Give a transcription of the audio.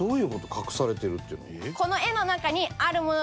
隠されてるっていうのは。